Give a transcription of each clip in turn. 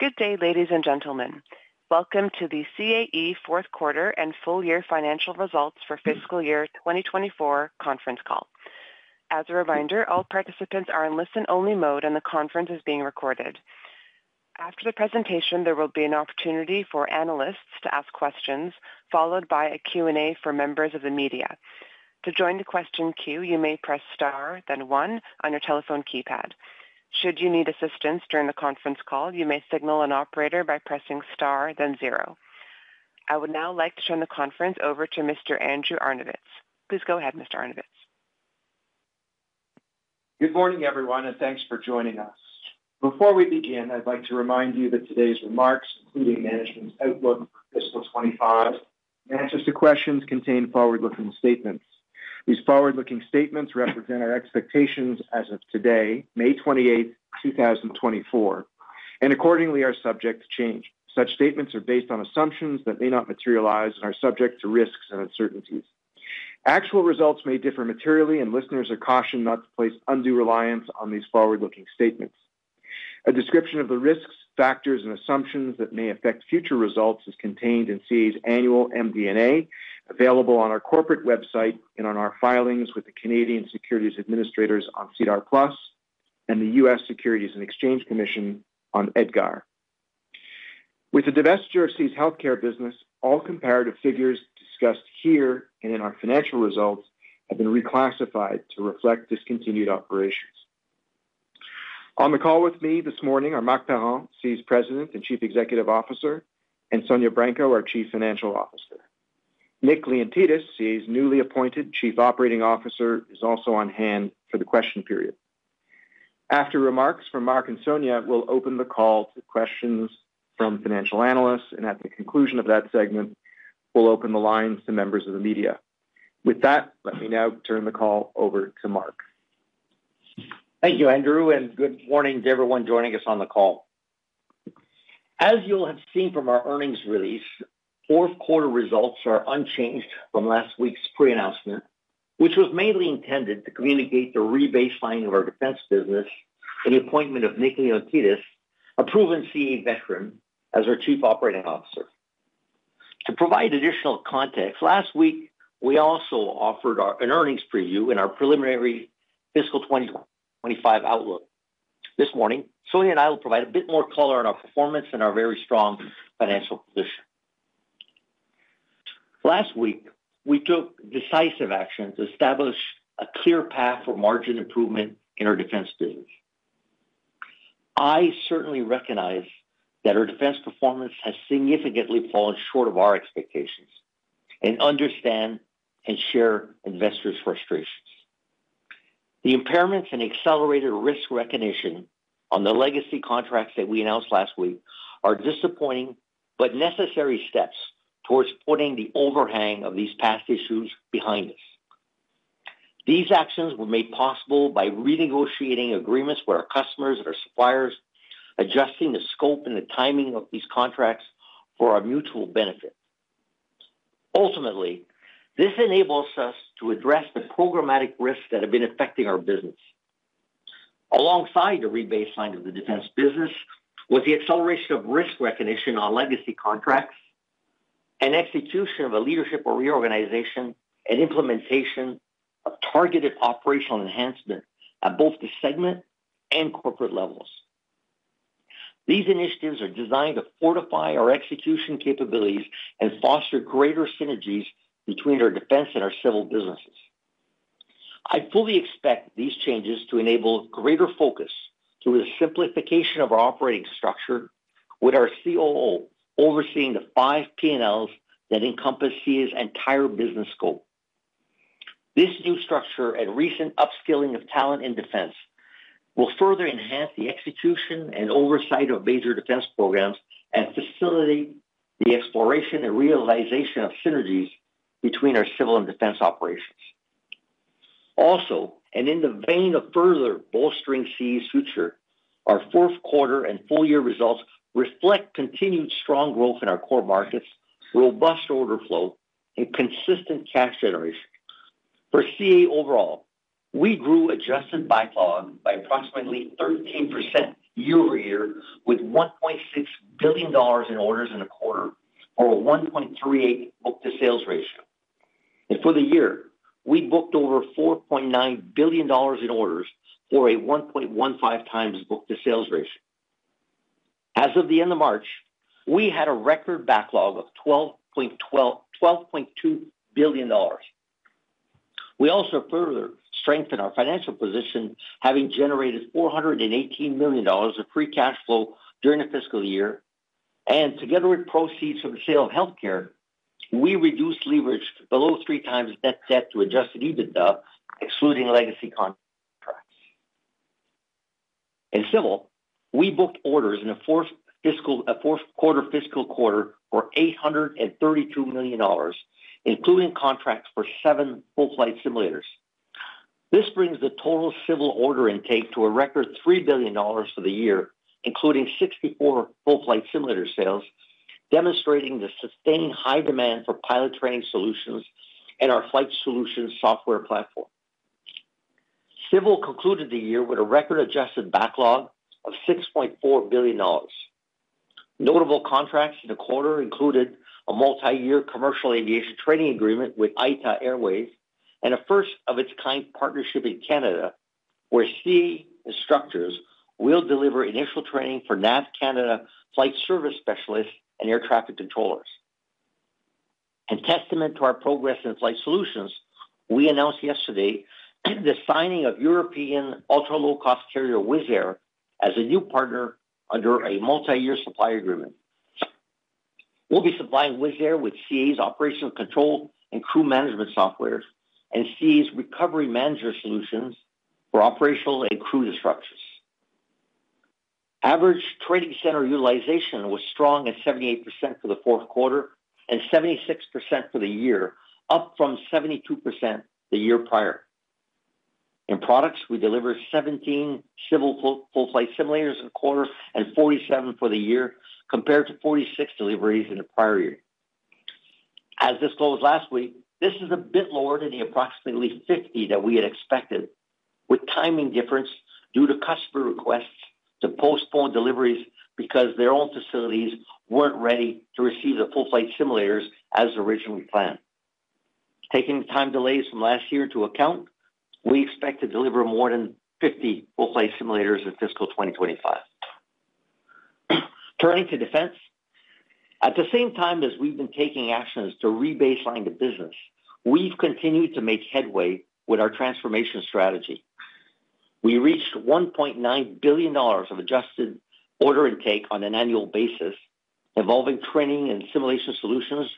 Good day, ladies and gentlemen. Welcome to the CAE Fourth Quarter and Full Year Financial Results for fiscal year 2024 conference call. As a reminder, all participants are in listen-only mode, and the conference is being recorded. After the presentation, there will be an opportunity for analysts to ask questions, followed by a Q&A for members of the media. To join the question queue, you may press star, then one on your telephone keypad. Should you need assistance during the conference call, you may signal an operator by pressing star, then zero. I would now like to turn the conference over to Mr. Andrew Arnovitz. Please go ahead, Mr. Arnovitz. Good morning, everyone, and thanks for joining us. Before we begin, I'd like to remind you that today's remarks, including management's outlook for fiscal 25, answers to questions contain forward-looking statements. These forward-looking statements represent our expectations as of today, May 28, 2024, and accordingly are subject to change. Such statements are based on assumptions that may not materialize and are subject to risks and uncertainties. Actual results may differ materially, and listeners are cautioned not to place undue reliance on these forward-looking statements. A description of the risks, factors, and assumptions that may affect future results is contained in CAE's annual MD&A, available on our corporate website and on our filings with the Canadian Securities Administrators on SEDAR+ and the U.S. Securities and Exchange Commission on EDGAR. With the divestiture of CAE's healthcare business, all comparative figures discussed here and in our financial results have been reclassified to reflect discontinued operations. On the call with me this morning are Marc Parent, CAE's President and Chief Executive Officer, and Sonya Branco, our Chief Financial Officer. Nick Leontidis, CAE's newly appointed Chief Operating Officer, is also on hand for the question period. After remarks from Marc and Sonya, we'll open the call to questions from financial analysts, and at the conclusion of that segment, we'll open the lines to members of the media. With that, let me now turn the call over to Marc. Thank you, Andrew, and good morning to everyone joining us on the call. As you'll have seen from our earnings release, fourth quarter results are unchanged from last week's pre-announcement, which was mainly intended to communicate the rebaselining of our defense business and the appointment of Nick Leontidis, a proven CAE veteran, as our Chief Operating Officer. To provide additional context, last week, we also offered an earnings preview in our preliminary fiscal 2025 outlook. This morning, Sonya and I will provide a bit more color on our performance and our very strong financial position. Last week, we took decisive action to establish a clear path for margin improvement in our defense business. I certainly recognize that our defense performance has significantly fallen short of our expectations and understand and share investors' frustrations. The impairments and accelerated risk recognition on the legacy contracts that we announced last week are disappointing but necessary steps towards putting the overhang of these past issues behind us. These actions were made possible by renegotiating agreements with our customers and our suppliers, adjusting the scope and the timing of these contracts for our mutual benefit. Ultimately, this enables us to address the programmatic risks that have been affecting our business. Alongside the rebaseline of the defense business was the acceleration of risk recognition on legacy contracts and execution of a leadership or reorganization and implementation of targeted operational enhancement at both the segment and corporate levels. These initiatives are designed to fortify our execution capabilities and foster greater synergies between our defense and our civil businesses. I fully expect these changes to enable greater focus through the simplification of our operating structure, with our COO overseeing the five P&Ls that encompass CAE's entire business scope. This new structure and recent upskilling of talent in defense will further enhance the execution and oversight of major defense programs and facilitate the exploration and realization of synergies between our civil and defense operations. Also, and in the vein of further bolstering CAE's future, our fourth quarter and full-year results reflect continued strong growth in our core markets, robust order flow, and consistent cash generation. For CAE overall, we grew adjusted backlog by approximately 13% year-over-year, with 1.6 billion dollars in orders in a quarter or a 1.38 book-to-sales ratio. For the year, we booked over 4.9 billion dollars in orders for a 1.15x book-to-sales ratio. As of the end of March, we had a record backlog of 12.2 billion dollars. We also further strengthened our financial position, having generated 418 million dollars of free cash flow during the fiscal year, and together with proceeds from the sale of healthcare, we reduced leverage below 3x net debt to adjusted EBITDA, excluding legacy contracts. In civil, we booked orders in the fourth fiscal quarter for 832 million dollars, including contracts for 7 full-flight simulators. This brings the total civil order intake to a record 3 billion dollars for the year, including 64 full-flight simulator sales, demonstrating the sustained high demand for pilot training solutions and our flight solutions software platform. Civil concluded the year with a record-adjusted backlog of 6.4 billion dollars. Notable contracts in the quarter included a multiyear commercial aviation training agreement with ITA Airways, and a first-of-its-kind partnership in Canada, where CAE instructors will deliver initial training for NAV Canada flight service specialists and air traffic controllers. Testament to our progress in flight solutions, we announced yesterday the signing of European ultra-low-cost carrier Wizz Air as a new partner under a multiyear supply agreement. We'll be supplying Wizz Air with CAE's operational control and crew management softwares, and CAE's recovery manager solutions for operational and crew disruptions. Average training center utilization was strong at 78% for the fourth quarter and 76% for the year, up from 72% the year prior. In products, we delivered 17 civil full, full-flight simulators in the quarter and 47 for the year, compared to 46 deliveries in the prior year. As this closed last week, this is a bit lower than the approximately 50 that we had expected, with timing difference due to customer requests to postpone deliveries because their own facilities weren't ready to receive the full-flight simulators as originally planned. Taking the time delays from last year into account, we expect to deliver more than 50 full-flight simulators in fiscal 2025. Turning to defense, at the same time as we've been taking actions to rebaseline the business, we've continued to make headway with our transformation strategy. We reached 1.9 billion dollars of adjusted order intake on an annual basis, involving training and simulation solutions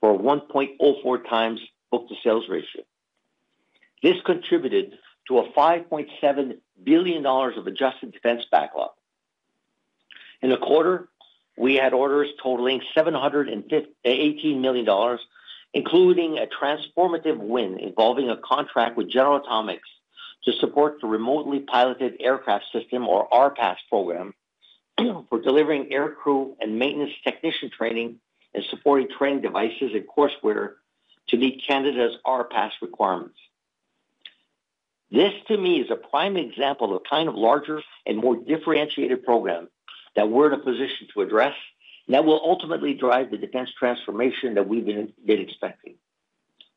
for a 1.04x book-to-sales ratio. This contributed to 5.7 billion dollars of adjusted defense backlog. In the quarter, we had orders totaling 718 million dollars, including a transformative win involving a contract with General Atomics to support the remotely piloted aircraft system, or RPAS program, for delivering aircrew and maintenance technician training and supporting training devices and courseware to meet Canada's RPAS requirements. This, to me, is a prime example of the kind of larger and more differentiated program that we're in a position to address, and that will ultimately drive the defense transformation that we've been, been expecting.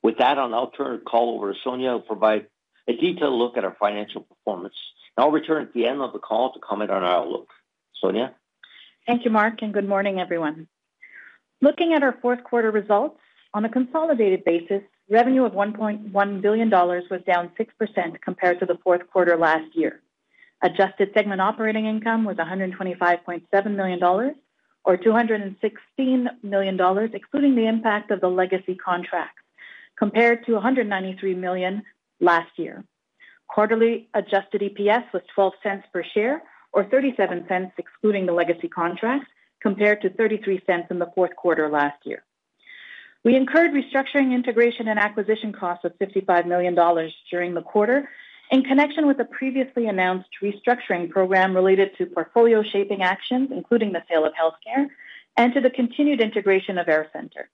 With that, I'll now turn the call over to Sonya, who will provide a detailed look at our financial performance, and I'll return at the end of the call to comment on our outlook. Sonya? Thank you, Marc, and good morning, everyone. Looking at our fourth quarter results, on a consolidated basis, revenue of 1.1 billion dollars was down 6% compared to the fourth quarter last year. Adjusted segment operating income was 125.7 million dollars, or 216 million dollars, excluding the impact of the legacy contract, compared to 193 million last year. Quarterly adjusted EPS was 0.12 per share, or 0.37, excluding the legacy contract, compared to 0.33 in the fourth quarter last year. We incurred restructuring, integration, and acquisition costs of 55 million dollars during the quarter in connection with the previously announced restructuring program related to portfolio shaping actions, including the sale of healthcare, and to the continued integration of AirCentre.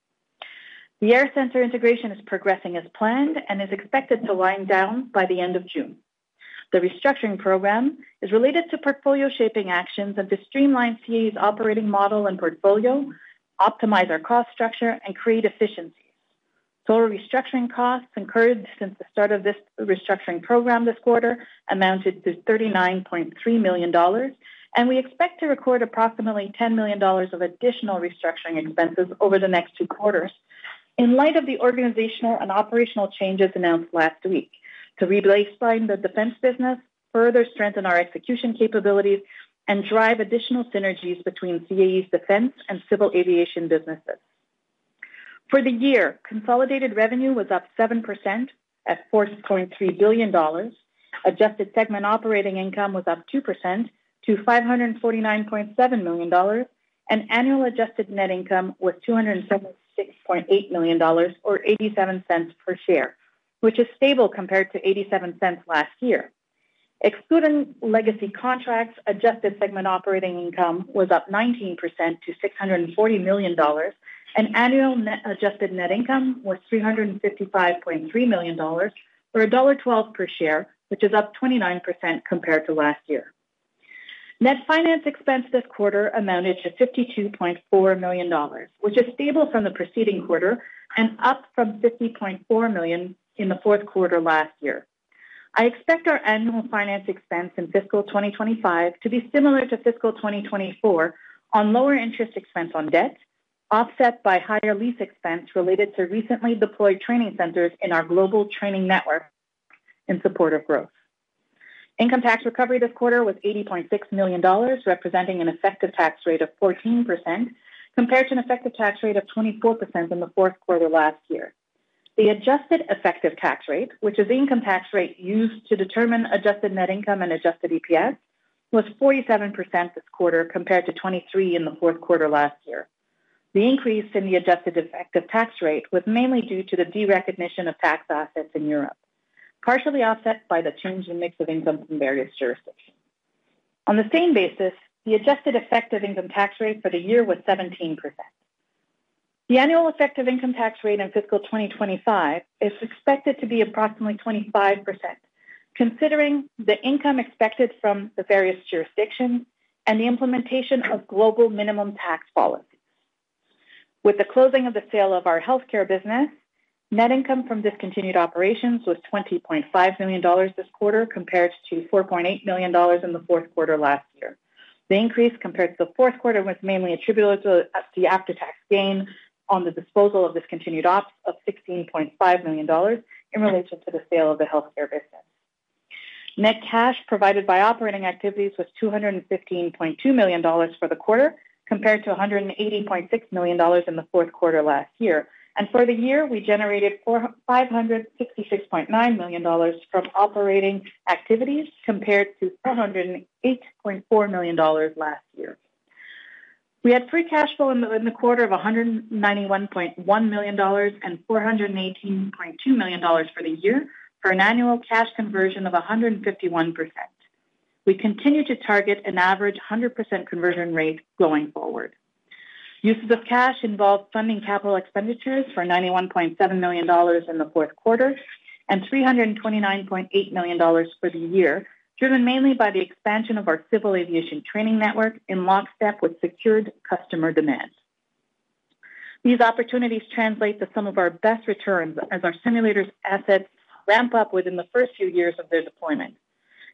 The AirCentre integration is progressing as planned and is expected to wind down by the end of June. The restructuring program is related to portfolio shaping actions that streamline CAE's operating model and portfolio, optimize our cost structure and create efficiencies. Total restructuring costs incurred since the start of this restructuring program this quarter amounted to 39.3 million dollars, and we expect to record approximately 10 million dollars of additional restructuring expenses over the next two quarters. In light of the organizational and operational changes announced last week, to rebaseline the defense business, further strengthen our execution capabilities, and drive additional synergies between CAE's defense and civil aviation businesses. For the year, consolidated revenue was up 7% at 4.3 billion dollars. Adjusted segment operating income was up 2% to 549.7 million dollars, and annual adjusted net income was 276.8 million dollars, or 0.87 per share, which is stable compared to 0.87 last year. Excluding legacy contracts, adjusted segment operating income was up 19% to 640 million dollars, and annual adjusted net income was 355.3 million dollars, or dollar 1.12 per share, which is up 29% compared to last year. Net finance expense this quarter amounted to 52.4 million dollars, which is stable from the preceding quarter and up from 50.4 million in the fourth quarter last year. I expect our annual finance expense in fiscal 2025 to be similar to fiscal 2024, on lower interest expense on debt, offset by higher lease expense related to recently deployed training centers in our global training network in support of growth. Income tax recovery this quarter was 80.6 million dollars, representing an effective tax rate of 14%, compared to an effective tax rate of 24% in the fourth quarter last year. The adjusted effective tax rate, which is the income tax rate used to determine adjusted net income and adjusted EPS, was 47% this quarter, compared to 23% in the fourth quarter last year. The increase in the adjusted effective tax rate was mainly due to the derecognition of tax assets in Europe, partially offset by the change in mix of income from various jurisdictions. On the same basis, the adjusted effective income tax rate for the year was 17%.... The annual effective income tax rate in fiscal 2025 is expected to be approximately 25%, considering the income expected from the various jurisdictions and the implementation of global minimum tax policies. With the closing of the sale of our healthcare business, net income from discontinued operations was 20.5 million dollars this quarter, compared to 4.8 million dollars in the fourth quarter last year. The increase compared to the fourth quarter was mainly attributable to the after-tax gain on the disposal of discontinued ops of 16.5 million dollars in relation to the sale of the healthcare business. Net cash provided by operating activities was 215.2 million dollars for the quarter, compared to 180.6 million dollars in the fourth quarter last year. For the year, we generated 566.9 million dollars from operating activities, compared to 408.4 million dollars last year. We had free cash flow in the quarter of 191.1 million dollars and 418.2 million dollars for the year, for an annual cash conversion of 151%. We continue to target an average 100% conversion rate going forward. Uses of cash involved funding capital expenditures for 91.7 million dollars in the fourth quarter, and 329.8 million dollars for the year, driven mainly by the expansion of our civil aviation training network in lockstep with secured customer demand. These opportunities translate to some of our best returns as our simulators assets ramp up within the first few years of their deployment.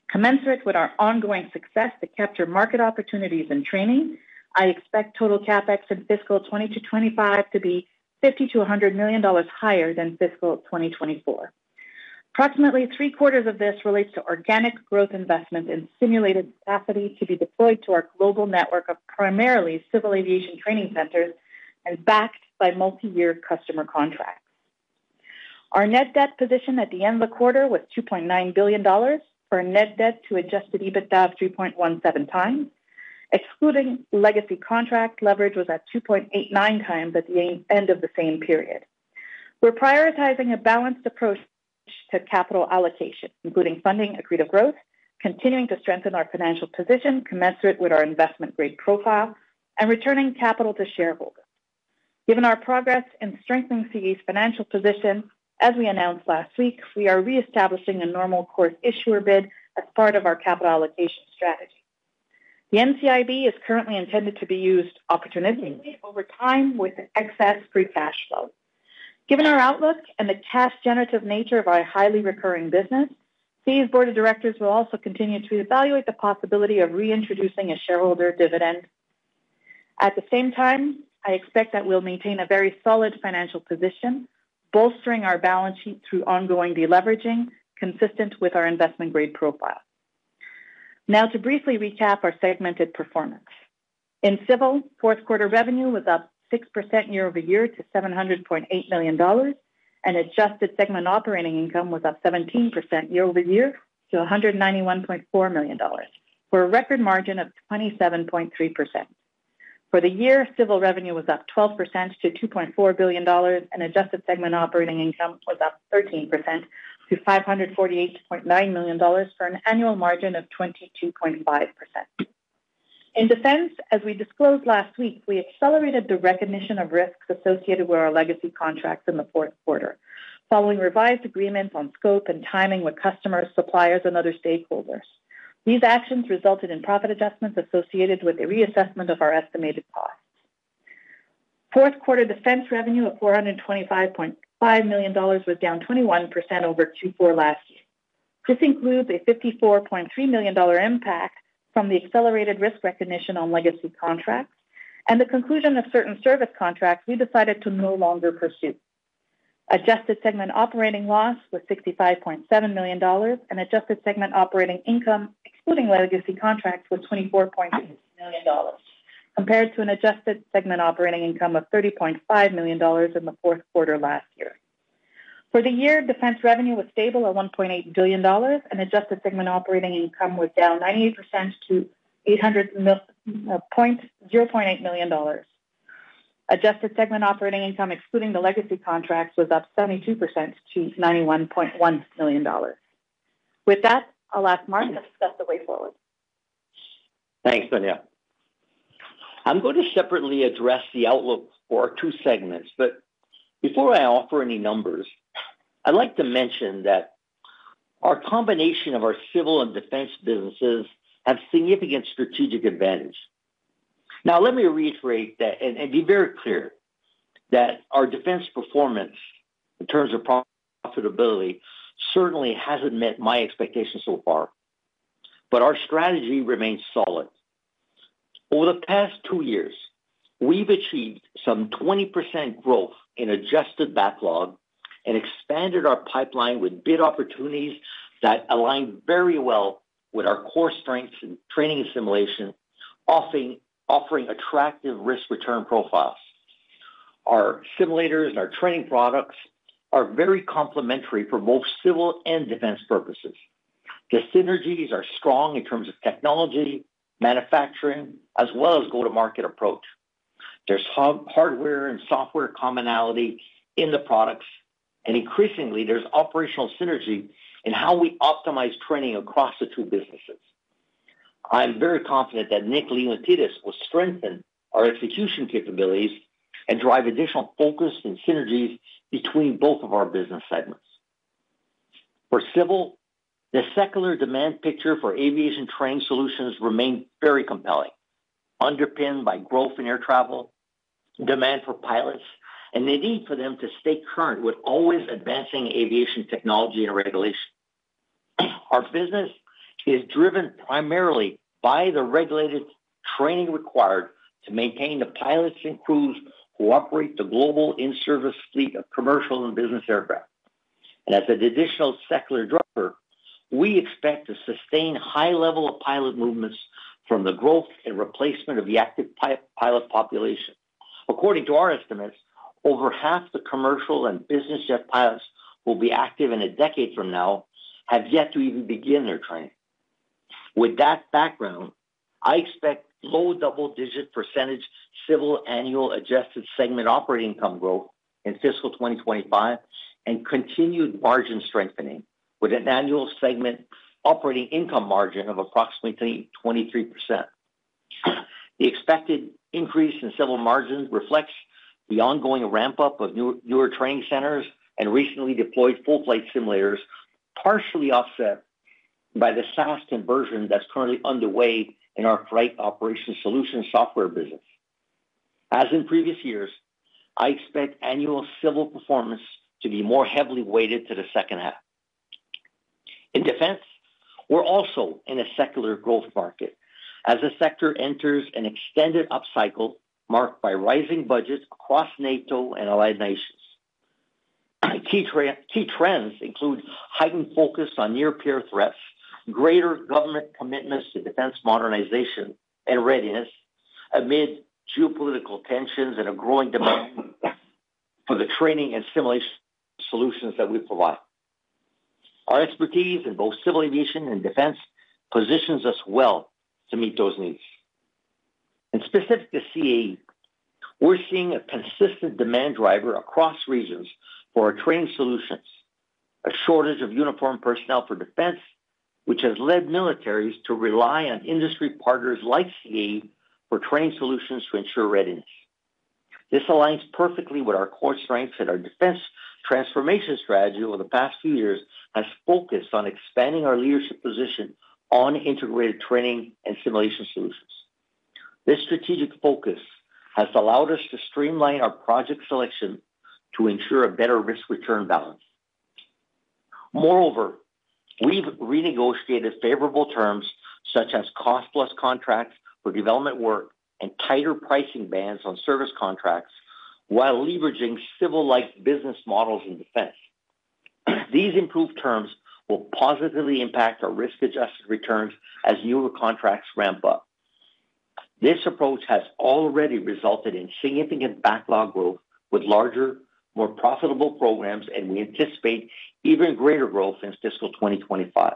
Commensurate with our ongoing success to capture market opportunities and training, I expect total CapEx in fiscal 2020-2025 to be 50-100 million dollars higher than fiscal 2024. Approximately three quarters of this relates to organic growth investment in simulated capacity to be deployed to our global network of primarily civil aviation training centers and backed by multiyear customer contracts. Our net debt position at the end of the quarter was 2.9 billion dollars, for a net debt to adjusted EBITDA of 3.17x. Excluding legacy contract, leverage was at 2.89x at the end of the same period. We're prioritizing a balanced approach to capital allocation, including funding accretive growth, continuing to strengthen our financial position commensurate with our investment-grade profile, and returning capital to shareholders. Given our progress in strengthening CAE's financial position, as we announced last week, we are reestablishing a normal course issuer bid as part of our capital allocation strategy. The NCIB is currently intended to be used opportunistically over time with excess free cash flow. Given our outlook and the cash generative nature of our highly recurring business, CAE's board of directors will also continue to evaluate the possibility of reintroducing a shareholder dividend. At the same time, I expect that we'll maintain a very solid financial position, bolstering our balance sheet through ongoing deleveraging, consistent with our investment-grade profile. Now, to briefly recap our segmented performance. In civil, fourth quarter revenue was up 6% year-over-year to 700.8 million dollars, and adjusted segment operating income was up 17% year-over-year to 191.4 million dollars, for a record margin of 27.3%. For the year, civil revenue was up 12% to 2.4 billion dollars, and adjusted segment operating income was up 13% to 548.9 million dollars for an annual margin of 22.5%. In defense, as we disclosed last week, we accelerated the recognition of risks associated with our legacy contracts in the fourth quarter, following revised agreements on scope and timing with customers, suppliers, and other stakeholders. These actions resulted in profit adjustments associated with a reassessment of our estimated costs. Fourth quarter defense revenue of 425.5 million dollars was down 21% over Q4 last year. This includes a 54.3 million dollar impact from the accelerated risk recognition on legacy contracts and the conclusion of certain service contracts we decided to no longer pursue. Adjusted segment operating loss was 65.7 million dollars, and adjusted segment operating income, excluding legacy contracts, was 24.8 million dollars, compared to an adjusted segment operating income of 30.5 million dollars in the fourth quarter last year. For the year, defense revenue was stable at 1.8 billion dollars, and adjusted segment operating income was down 98% to 800.8 million dollars. Adjusted segment operating income, excluding the legacy contracts, was up 72% to 91.1 million dollars. With that, I'll ask Martin to discuss the way forward. Thanks, Sonya. I'm going to separately address the outlook for our two segments, but before I offer any numbers, I'd like to mention that our combination of our civil and defense businesses have significant strategic advantage. Now, let me reiterate that, and be very clear, that our defense performance in terms of pro-profitability certainly hasn't met my expectations so far, but our strategy remains solid. Over the past two years, we've achieved some 20% growth in adjusted backlog and expanded our pipeline with bid opportunities that align very well with our core strengths in training and simulation, offering attractive risk-return profiles. Our simulators and our training products are very complementary for both civil and defense purposes. The synergies are strong in terms of technology, manufacturing, as well as go-to-market approach. There's hardware and software commonality in the products, and increasingly, there's operational synergy in how we optimize training across the two businesses. I'm very confident that Nick Leontidis will strengthen our execution capabilities and drive additional focus and synergies between both of our business segments. For Civil, the secular demand picture for aviation training solutions remain very compelling, underpinned by growth in air travel, demand for pilots, and the need for them to stay current with always advancing aviation technology and regulation. Our business is driven primarily by the regulated training required to maintain the pilots and crews who operate the global in-service fleet of commercial and business aircraft. And as an additional secular driver, we expect to sustain high level of pilot movements from the growth and replacement of the active pilot population. According to our estimates, over half the commercial and business jet pilots who will be active in a decade from now have yet to even begin their training. With that background, I expect low double-digit % Civil annual adjusted segment operating income growth in fiscal 2025, and continued margin strengthening with an annual segment operating income margin of approximately 23%. The expected increase in Civil margins reflects the ongoing ramp-up of new, newer training centers and recently deployed full-flight simulators, partially offset by the SaaS conversion that's currently underway in our flight operations solution software business. As in previous years, I expect annual Civil performance to be more heavily weighted to the second half. In Defense, we're also in a secular growth market as the sector enters an extended upcycle marked by rising budgets across NATO and allied nations. Key trend, key trends include heightened focus on near-peer threats, greater government commitments to defense modernization and readiness amid geopolitical tensions, and a growing demand for the training and simulation solutions that we provide. Our expertise in both civil aviation and defense positions us well to meet those needs. Specific to CAE, we're seeing a consistent demand driver across regions for our training solutions, a shortage of uniformed personnel for defense, which has led militaries to rely on industry partners like CAE for training solutions to ensure readiness. This aligns perfectly with our core strengths and our defense transformation strategy over the past few years has focused on expanding our leadership position on integrated training and simulation solutions. This strategic focus has allowed us to streamline our project selection to ensure a better risk-return balance. Moreover, we've renegotiated favorable terms such as cost-plus contracts for development work and tighter pricing bands on service contracts, while leveraging civil-like business models in Defense. These improved terms will positively impact our risk-adjusted returns as newer contracts ramp up. This approach has already resulted in significant backlog growth with larger, more profitable programs, and we anticipate even greater growth in fiscal 2025.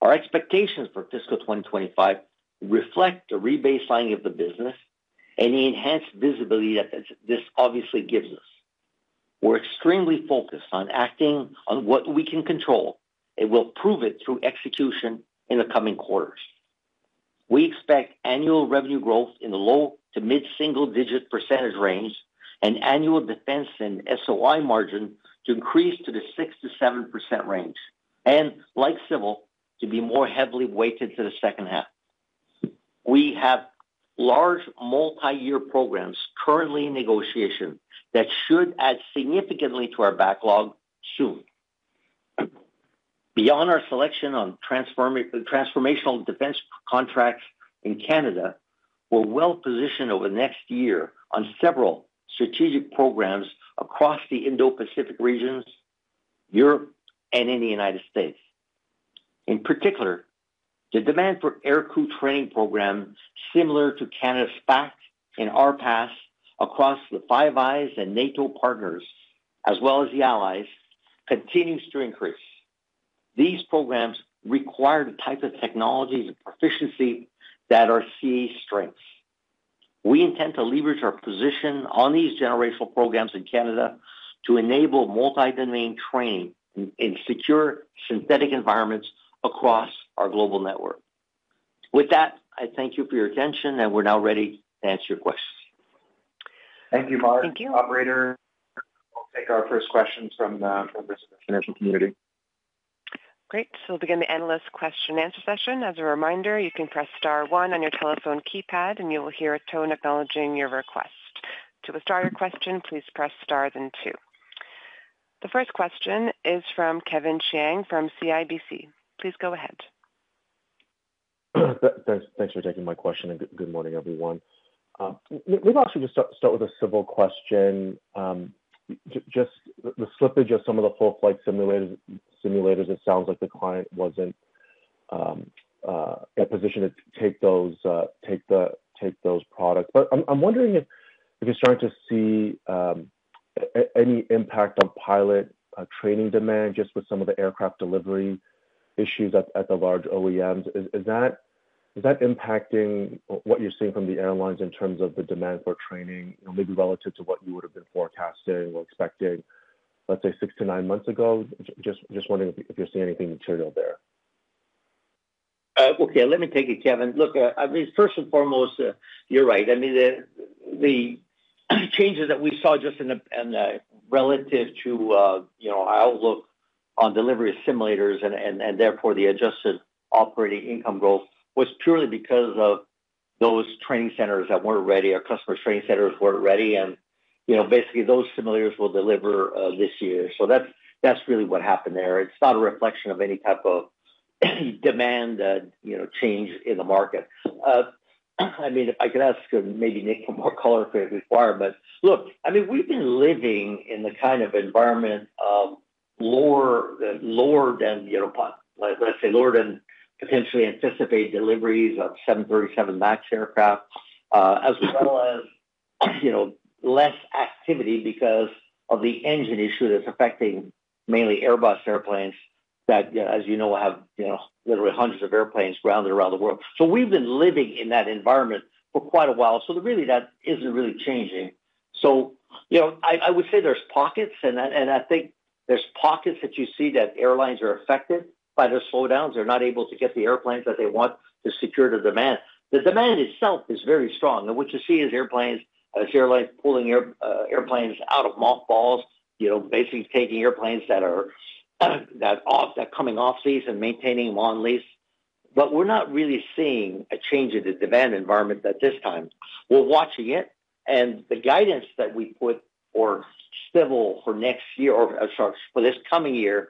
Our expectations for fiscal 2025 reflect a rebaselining of the business and the enhanced visibility that this obviously gives us. We're extremely focused on acting on what we can control, and we'll prove it through execution in the coming quarters. We expect annual revenue growth in the low- to mid-single-digit percentage range and annual defense and SOI margin to increase to the 6%-7% range, and like Civil, to be more heavily weighted to the second half. We have large multiyear programs currently in negotiation that should add significantly to our backlog soon. Beyond our selection on transformational defense contracts in Canada, we're well positioned over the next year on several strategic programs across the Indo-Pacific regions, Europe, and in the United States. In particular, the demand for air crew training programs similar to Canada's FAcT and RPAS across the Five Eyes and NATO partners, as well as the allies, continues to increase. These programs require the type of technologies and proficiency that are CAE's strengths. We intend to leverage our position on these generational programs in Canada to enable multi-domain training in secure synthetic environments across our global network. With that, I thank you for your attention, and we're now ready to answer your questions. Thank you, Marc. Thank you. Operator, we'll take our first questions from the members of the financial community. Great. So we'll begin the analyst question and answer session. As a reminder, you can press star one on your telephone keypad, and you will hear a tone acknowledging your request. To withdraw your question, please press star then two. The first question is from Kevin Chiang from CIBC. Please go ahead. Thanks, thanks for taking my question, and good morning, everyone. May I actually just start with a civil question? Just the slippage of some of the full flight simulators, it sounds like the client wasn't in a position to take those products. But I'm wondering if you're starting to see any impact on pilot training demand, just with some of the aircraft delivery issues at the large OEMs. Is that impacting what you're seeing from the airlines in terms of the demand for training, maybe relative to what you would have been forecasting or expecting, let's say, 6-9 months ago? Just wondering if you're seeing anything material there. Okay, let me take it, Kevin. Look, I mean, first and foremost, you're right. I mean, the changes that we saw just in the, in the relative to, you know, outlook on delivery of simulators and therefore, the adjusted operating income growth was purely because of those training centers that weren't ready, our customer training centers weren't ready. You know, basically, those simulators will deliver this year. So that's really what happened there. It's not a reflection of any type of demand, you know, change in the market. I mean, I could ask maybe Nick for more color if required, but look, I mean, we've been living in the kind of environment of lower, lower than, you know, let's say, lower than potentially anticipated deliveries of 737 MAX aircraft, as well as, you know, less activity because of the engine issue that's affecting mainly Airbus airplanes, that, as you know, have, you know, literally hundreds of airplanes grounded around the world. So we've been living in that environment for quite a while, so really, that isn't really changing. So, you know, I would say there's pockets, and I think there's pockets that you see that airlines are affected by the slowdowns. They're not able to get the airplanes that they want to secure the demand. The demand itself is very strong, and what you see is airplanes, airlines pulling airplanes out of mothballs, you know, basically taking airplanes that are, that coming off season, maintaining them on lease. But we're not really seeing a change in the demand environment at this time. We're watching it, and the guidance that we put for civil, for next year or sorry, for this coming year,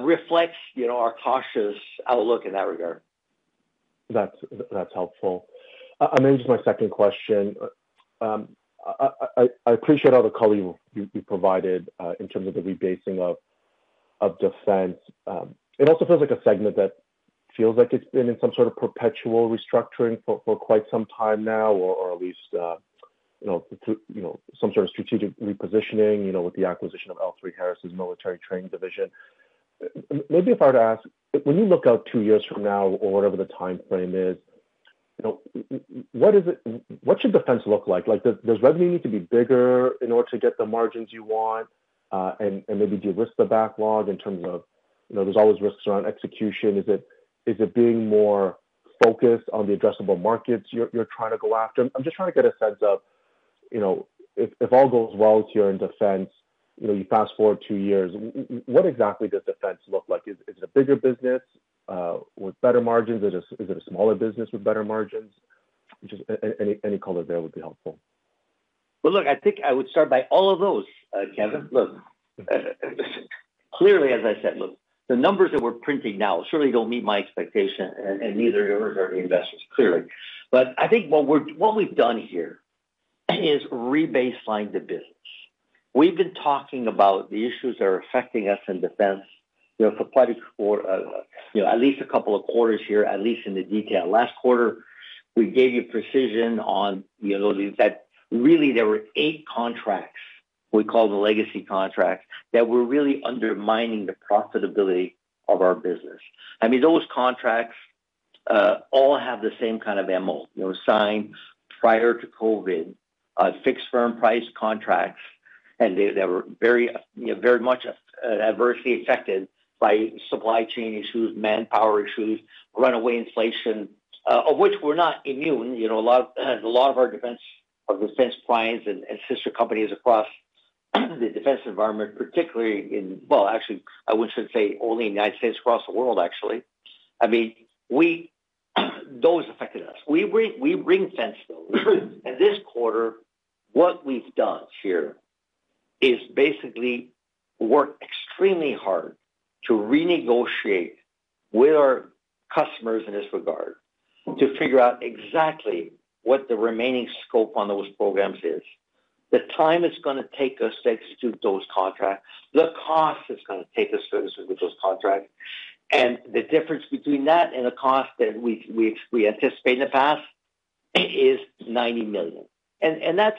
reflects, you know, our cautious outlook in that regard. That's, that's helpful. I mean, just my second question. I appreciate all the color you provided in terms of the rebasing of defense. It also feels like a segment that feels like it's been in some sort of perpetual restructuring for quite some time now, or at least you know, to you know, some sort of strategic repositioning, you know, with the acquisition of L3Harris's military training division. Maybe if I were to ask, when you look out two years from now or whatever the time frame is, you know, what is it—what should defense look like? Like, does revenue need to be bigger in order to get the margins you want? And maybe de-risk the backlog in terms of, you know, there's always risks around execution. Is it being more focused on the addressable markets you're trying to go after? I'm just trying to get a sense of, you know, if all goes well this year in defense, you know, you fast-forward two years, what exactly does defense look like? Is it a bigger business with better margins? Is it a smaller business with better margins? Just any color there would be helpful. Well, look, I think I would start by all of those, Kevin. Look, clearly, as I said, look, the numbers that we're printing now certainly don't meet my expectation, and neither are the investors, clearly. But I think what we've done here is rebaseline the business. We've been talking about the issues that are affecting us in defense, you know, for quite a while, you know, at least a couple of quarters here, at least in the detail. Last quarter, we gave you precision on, you know, that really there were eight contracts we call the legacy contracts, that were really undermining the profitability of our business. I mean, those contracts all have the same kind of MO, you know, signed prior to COVID, fixed firm price contracts, and they were very, very much adversely affected by supply chain issues, manpower issues, runaway inflation, of which we're not immune. You know, a lot of our defense clients and sister companies across the defense environment, particularly in... Well, actually, I wouldn't say only in the United States, across the world, actually. I mean, those affected us. We ring-fence those. And this quarter, what we've done here is basically worked extremely hard to renegotiate with our customers in this regard, to figure out exactly what the remaining scope on those programs is. The time it's gonna take us to execute those contracts, the cost it's gonna take us to execute those contracts, and the difference between that and the cost that we anticipate in the past is 90 million. And that's,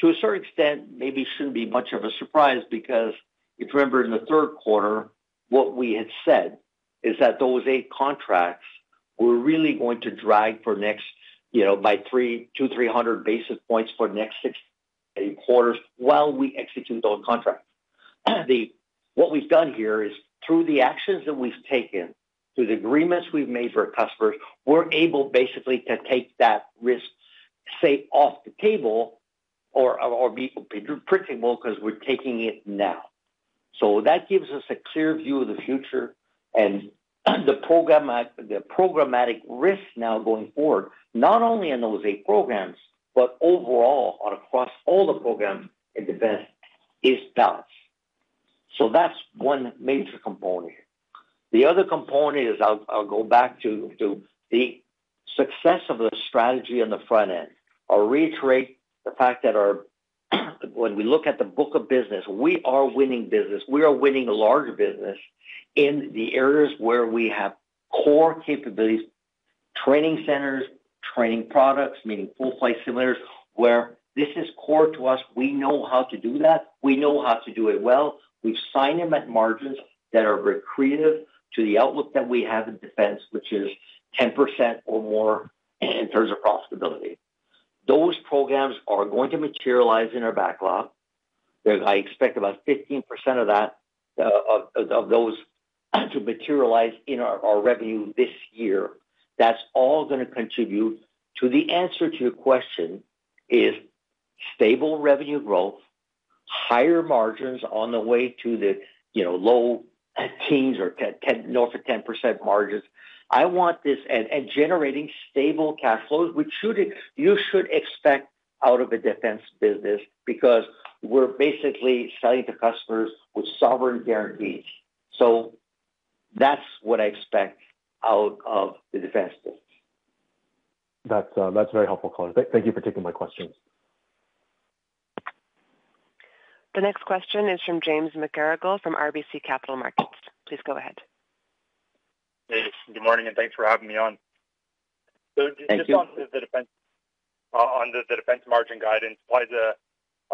to a certain extent, maybe shouldn't be much of a surprise, because if you remember in the third quarter, what we had said is that those 8 contracts were really going to drag for next, you know, by 200-300 basis points for the next six quarters while we execute those contracts. What we've done here is through the actions that we've taken, through the agreements we've made for our customers, we're able basically to take that risk, say, off the table or be predictable because we're taking it now. So that gives us a clear view of the future and the programmatic risk now going forward, not only in those eight programs, but overall or across all the programs in defense is balanced. So that's one major component here. The other component is I'll go back to the success of the strategy on the front end. I'll reiterate the fact that our, when we look at the book of business, we are winning business. We are winning larger business in the areas where we have core capabilities, training centers, training products, meaning full-flight simulators, where this is core to us. We know how to do that. We know how to do it well. We've signed them at margins that are accretive to the outlook that we have in defense, which is 10% or more in terms of profitability. Those programs are going to materialize in our backlog. There's, I expect, about 15% of that, of, of those to materialize in our, our revenue this year. That's all going to contribute to the answer to your question, is stable revenue growth, higher margins on the way to the, you know, low teens or 10, 10-- north of 10% margins. I want this, and, and generating stable cash flows, which should, you should expect out of a defense business because we're basically selling to customers with sovereign guarantees. So that's what I expect out of the defense business. That's very helpful, Colin. Thank you for taking my questions. The next question is from James McGarragle from RBC Capital Markets. Please go ahead. Hey, good morning, and thanks for having me on. Thank you. So just on the defense, on the defense margin guidance, why the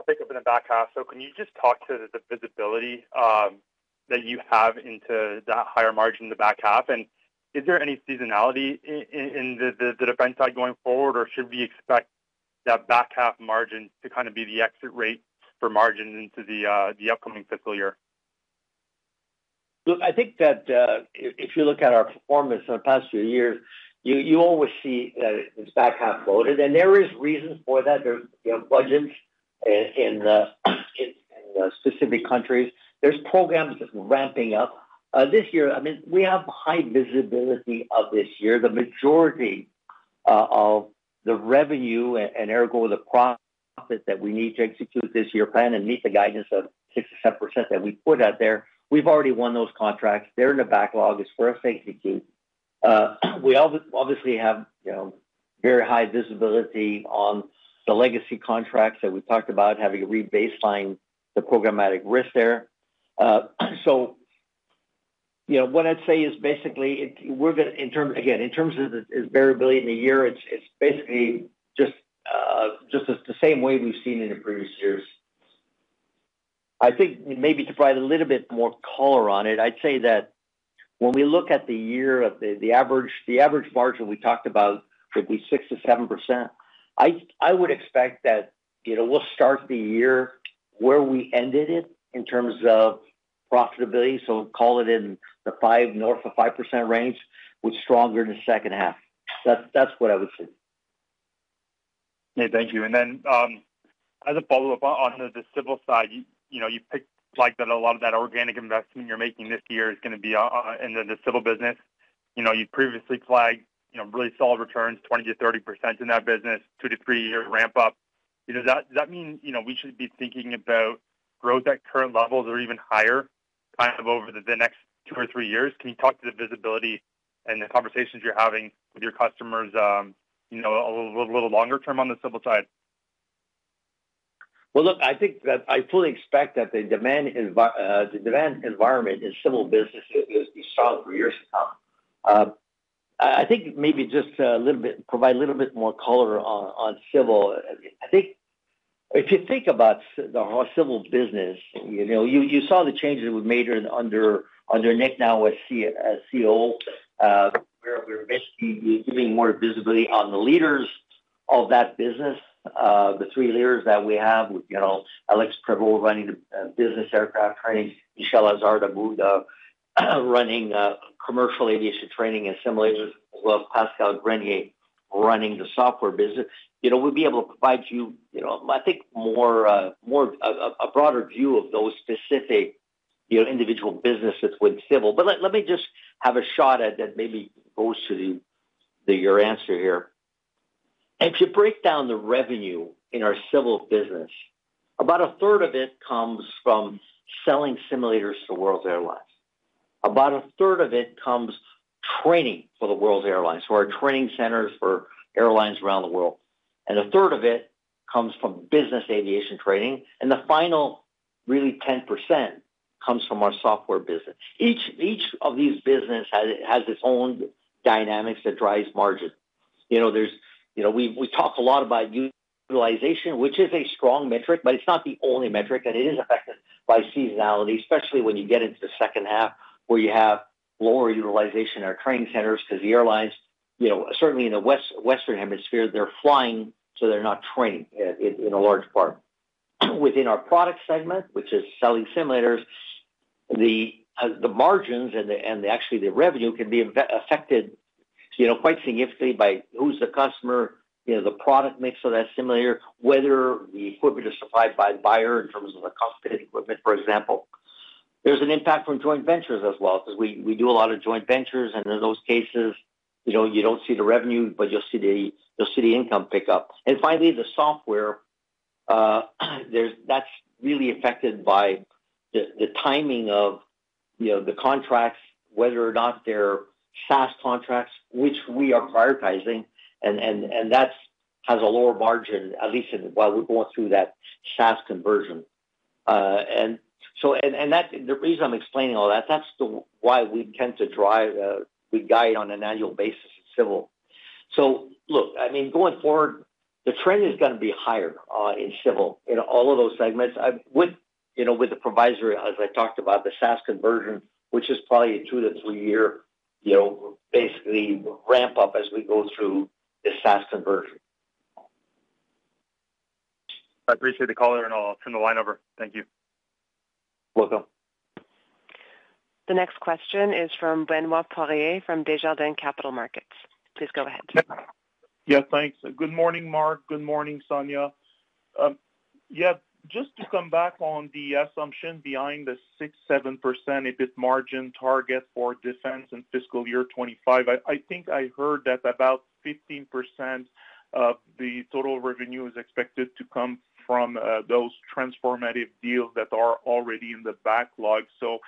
pickup in the back half. So can you just talk to the visibility that you have into that higher margin in the back half? And is there any seasonality in the defense side going forward, or should we expect that back half margin to kind of be the exit rate for margin into the upcoming fiscal year? Look, I think that, if you look at our performance in the past few years, you always see that it's back half loaded, and there is reasons for that. There, you know, budgets in specific countries. There's programs that are ramping up. This year, I mean, we have high visibility of this year. The majority, of the revenue, and ergo, the profit that we need to execute this year plan and meet the guidance of 6%-7% that we put out there, we've already won those contracts. They're in the backlog as far as safety keep. We obviously have, you know, very high visibility on the legacy contracts that we talked about, having rebaseline the programmatic risk there. So, you know, what I'd say is basically, we're gonna in terms... Again, in terms of the variability in the year, it's basically just the same way we've seen in the previous years. I think maybe to provide a little bit more color on it, I'd say that when we look at the year, the average margin we talked about would be 6%-7%. I would expect that, you know, we'll start the year where we ended it in terms of profitability, so call it in the five, north of 5% range, with stronger in the second half. That's what I would say. Yeah, thank you. And then, as a follow-up on the civil side, you know, you flagged that a lot of that organic investment you're making this year is gonna be in the civil business. You know, you previously flagged, you know, really solid returns, 20%-30% in that business, 2-3-year ramp up. Does that mean, you know, we should be thinking about growth at current levels or even higher kind of over the next 2 or 3 years? Can you talk to the visibility and the conversations you're having with your customers, you know, a little longer term on the civil side? Well, look, I think that I fully expect that the demand environment in civil business is strong for years to come. I think maybe just a little bit more color on civil. I think if you think about the civil business, you know, you saw the changes we've made under Nick now as COO, where we're basically giving more visibility on the leaders of that business. The three leaders that we have, you know, Alexandre Prévost running the business aircraft training, Michel Azar-Hmouda running commercial aviation training and simulators, as well as Pascal Grenier running the software business. You know, we'll be able to provide you, you know, I think a broader view of those specific, you know, individual businesses within civil. But let me just have a shot at that maybe goes to your answer here. If you break down the revenue in our civil business, about a third of it comes from selling simulators to the world's airlines. About a third of it comes training for the world's airlines, so our training centers for airlines around the world. And a third of it comes from business aviation training, and the final, really 10% comes from our software business. Each of these business has its own dynamics that drives margin. You know, there's, you know, we talk a lot about utilization, which is a strong metric, but it's not the only metric, and it is affected by seasonality, especially when you get into the second half, where you have lower utilization in our training centers because the airlines, you know, certainly in the Western Hemisphere, they're flying, so they're not training in a large part. Within our product segment, which is selling simulators, the margins and actually the revenue can be affected, you know, quite significantly by who's the customer, you know, the product mix of that simulator, whether the equipment is supplied by the buyer in terms of the accompanying equipment, for example. There's an impact from joint ventures as well, because we do a lot of joint ventures, and in those cases, you know, you don't see the revenue, but you'll see the income pick up. And finally, the software, that's really affected by the timing of, you know, the contracts, whether or not they're SaaS contracts, which we are prioritizing, and that's has a lower margin, at least in, while we're going through that SaaS conversion. And so, the reason I'm explaining all that, that's the why we tend to drive, we guide on an annual basis, civil. So look, I mean, going forward, the trend is gonna be higher, in civil, in all of those segments. I would, you know, with the proviso, as I talked about, the SaaS conversion, which is probably a 2-3 year, you know, basically ramp up as we go through the SaaS conversion. I appreciate the color, and I'll turn the line over. Thank you. Welcome. The next question is from Benoit Poirier, from Desjardins Capital Markets. Please go ahead. Yeah, thanks. Good morning, Marc. Good morning, Sonya. Yeah, just to come back on the assumption behind the 6-7% EBIT margin target for Defense in fiscal year 2025. I think I heard that about 15% of the total revenue is expected to come from those transformative deals that are already in the backlog. So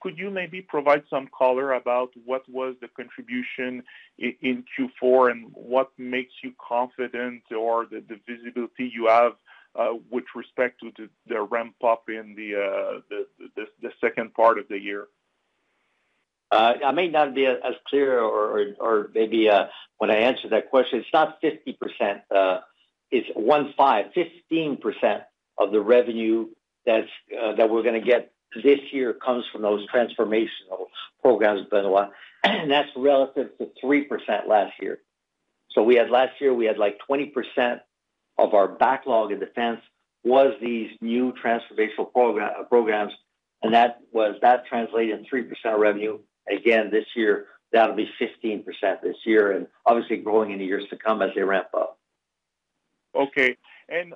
could you maybe provide some color about what was the contribution in Q4, and what makes you confident or the visibility you have with respect to the ramp-up in the second part of the year? I may not be as clear or maybe when I answer that question, it's not 50%, it's 15% of the revenue that's that we're gonna get this year comes from those transformational programs, Benoit, and that's relative to 3% last year. So we had last year, we had, like, 20% of our backlog in Defense was these new transformational programs, and that translated in 3% revenue. Again, this year, that'll be 15% this year, and obviously growing in the years to come as they ramp up. Okay.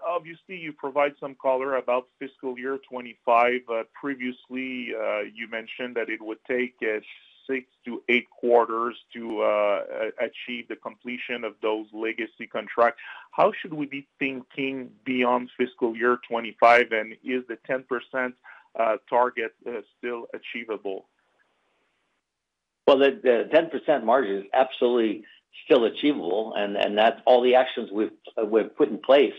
Obviously, you provide some color about fiscal year 2025. Previously, you mentioned that it would take 6-8 quarters to achieve the completion of those legacy contracts. How should we be thinking beyond fiscal year 2025, and is the 10% target still achievable? Well, the 10% margin is absolutely still achievable, and that's all the actions we've put in place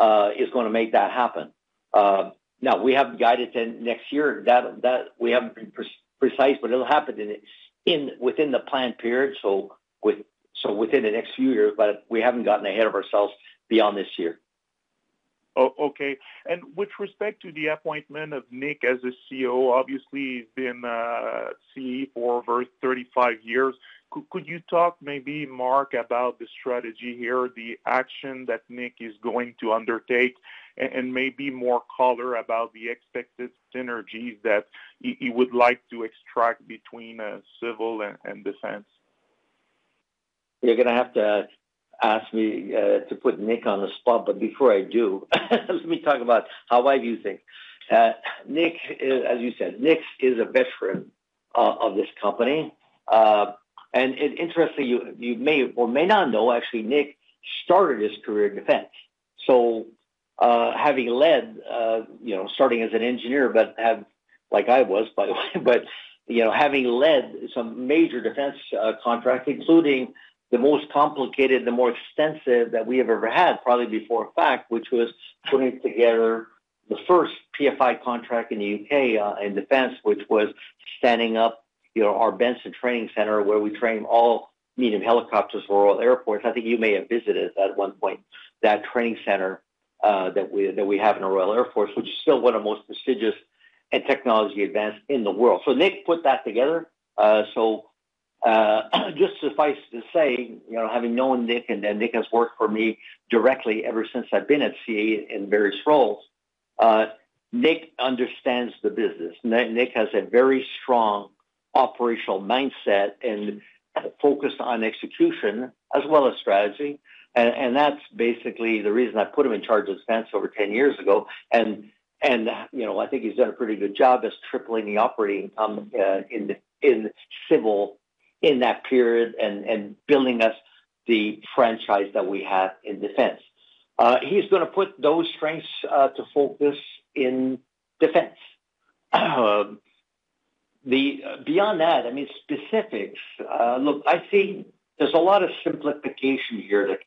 is gonna make that happen. Now, we haven't guided to next year, that we haven't been precise, but it'll happen within the planned period, so within the next few years, but we haven't gotten ahead of ourselves beyond this year. Oh, okay. And with respect to the appointment of Nick as the CEO, obviously, he's been CEO for over 35 years. Could you talk maybe, Marc, about the strategy here, the action that Nick is going to undertake, and maybe more color about the expected synergies that he would like to extract between Civil and Defense? You're gonna have to ask me to put Nick on the spot, but before I do, let me talk about how I view things. Nick is, as you said, Nick is a veteran of this company. Interestingly, you may or may not know, actually, Nick started his career in Defense. So, having led, you know, starting as an engineer, but have, like I was, by the way, but, you know, having led some major defense contracts, including the most complicated and more extensive that we have ever had, probably before FAcT, which was putting together the first PFI contract in the UK in Defense, which was standing up, you know, our Benson Training Center, where we train all medium helicopters for Royal Air Force. I think you may have visited it at one point, that training center that we have in the Royal Air Force, which is still one of the most prestigious and technology advanced in the world. So Nick put that together. Just suffice to say, you know, having known Nick, and then Nick has worked for me directly ever since I've been at CAE in various roles, Nick understands the business. Nick has a very strong operational mindset and focus on execution as well as strategy, and that's basically the reason I put him in charge of Defense over 10 years ago. And, you know, I think he's done a pretty good job as tripling the operating income in Civil in that period and building us the franchise that we have in Defense. He's gonna put those strengths to focus in Defense. Beyond that, I mean, specifics, look, I think there's a lot of simplification here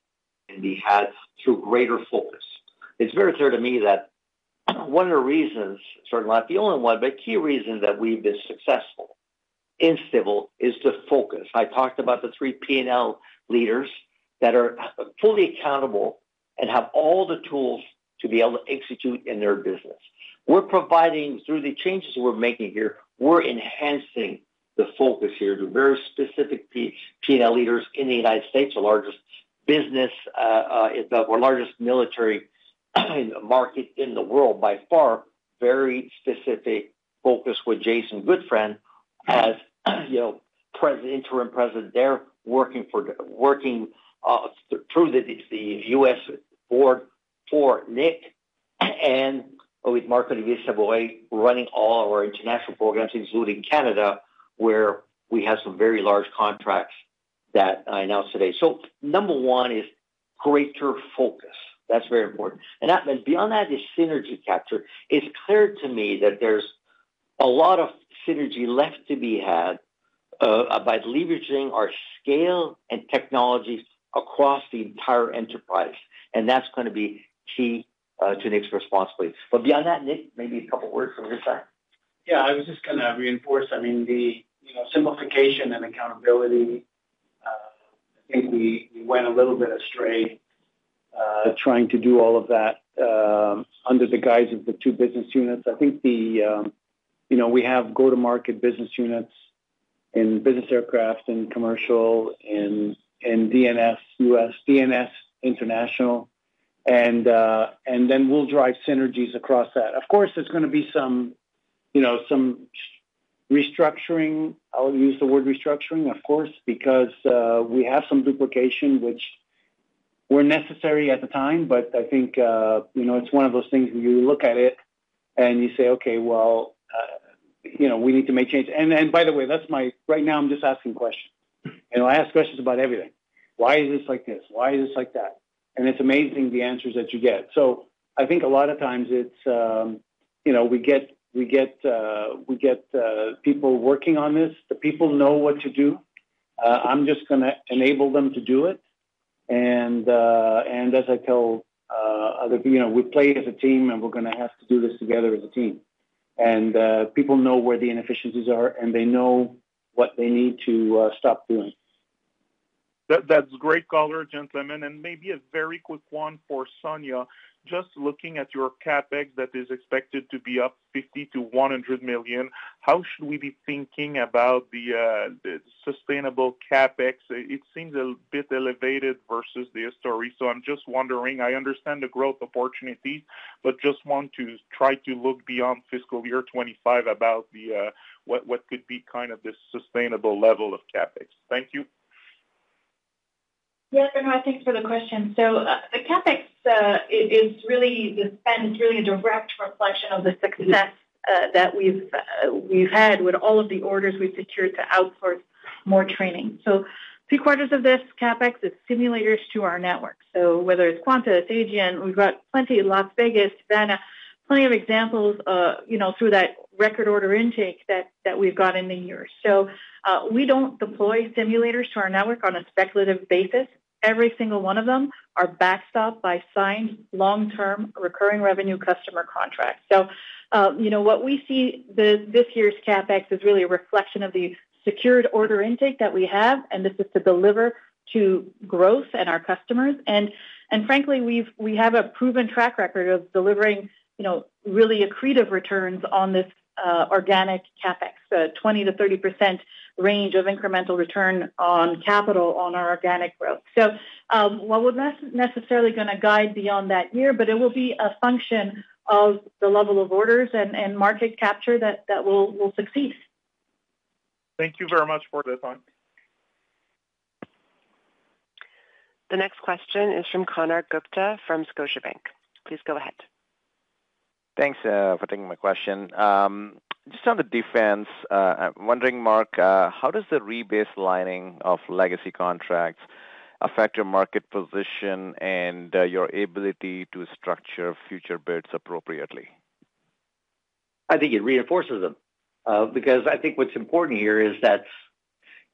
that can be had through greater focus. It's very clear to me that one of the reasons, certainly not the only one, but key reason that we've been successful in Civil is the focus. I talked about the three P&L leaders that are fully accountable and have all the tools to be able to execute in their business. We're providing, through the changes we're making here, we're enhancing the focus here to very specific P&L leaders in the United States, the largest business, the largest military market in the world by far. Very specific focus with Jason Goodfriend, as, you know, president, interim president there, working through the U.S. board for Nick, and with Marc-Olivier Sabourin running all our international programs, including Canada, where we have some very large contracts that I announced today. So number one is greater focus. That's very important. And that, and beyond that, is synergy capture. It's clear to me that there's a lot of synergy left to be had, by leveraging our scale and technologies across the entire enterprise, and that's gonna be key, to Nick's responsibility. But beyond that, Nick, maybe a couple words from your side? Yeah, I was just gonna reinforce, I mean, the, you know, simplification and accountability, I think we, we went a little bit astray, trying to do all of that, under the guise of the two business units. I think the, you know, we have go-to-market business units in business aircraft and commercial and D&S, U.S. D&S international, and then we'll drive synergies across that. Of course, there's gonna be some, you know, some restructuring. I'll use the word restructuring, of course, because, we have some duplication which were necessary at the time, but I think, you know, it's one of those things, when you look at it and you say: Okay, well, you know, we need to make changes. And by the way, that's my, right now, I'm just asking questions, and I ask questions about everything. Why is this like this? Why is this like that? And it's amazing the answers that you get. So I think a lot of times it's, you know, we get people working on this. The people know what to do. I'm just gonna enable them to do it. And as I told other... You know, we play as a team, and we're gonna have to do this together as a team. And people know where the inefficiencies are, and they know what they need to stop doing. That's great color, gentlemen. Maybe a very quick one for Sonia. Just looking at your CapEx that is expected to be up 50 million-100 million, how should we be thinking about the, the sustainable CapEx? It seems a bit elevated versus the history, so I'm just wondering. I understand the growth opportunity, but just want to try to look beyond fiscal year 2025 about the, what, what could be kind of the sustainable level of CapEx. Thank you. Yes, Benoit, thanks for the question. So, the CapEx, it is really the spend, it's really a direct reflection of the success, that we've, we've had with all of the orders we've secured to outsource more training. So three quarters of this CapEx is simulators to our network. So whether it's Qantas, Aegean, we've got plenty in Las Vegas, Savannah, plenty of examples, you know, through that record order intake that, that we've got in the year. So, we don't deploy simulators to our network on a speculative basis. Every single one of them are backstopped by signed, long-term, recurring revenue customer contracts. So, you know, what we see, this, this year's CapEx is really a reflection of the secured order intake that we have, and this is to deliver to growth and our customers. Frankly, we have a proven track record of delivering, you know, really accretive returns on this organic CapEx, 20%-30% range of incremental return on capital on our organic growth. While we're not necessarily gonna guide beyond that year, but it will be a function of the level of orders and market capture that we'll succeed. Thank you very much for the time. The next question is from Konark Gupta from Scotiabank. Please go ahead. Thanks for taking my question. Just on the defense, I'm wondering, Marc, how does the rebaselining of legacy contracts affect your market position and your ability to structure future bids appropriately? I think it reinforces them, because I think what's important here is that,